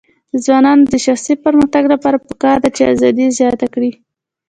د ځوانانو د شخصي پرمختګ لپاره پکار ده چې ازادي زیاته کړي.